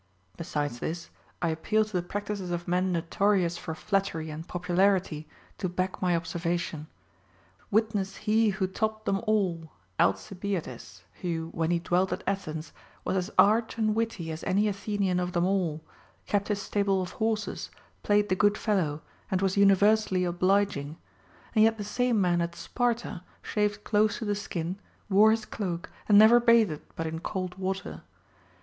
Besides this. I appeal to the practices of men notorious for flatter) and popularity to back my observation. Witness he who topped them all, Alcibiades, who, when he dwelt at Athens, was as arch and witty as any Athenian of them all, kept * Eurip. Hippol. 218. t Odyss. XXII. I. FROM A FRIEND. 109 his stable of horses, played the good fellow, and was uni versally obliging ; and yet the same man at Sparta shaved close to the skin, wore his cloak, and never bathed but in cold water.